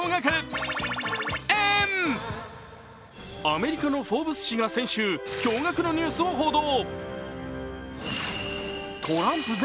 アメリカの「フォーブス」誌が先週、驚がくのニュースを報道。